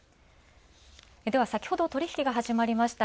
では先ほど取引始まりました。